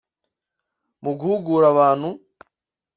Mu guhugura abantu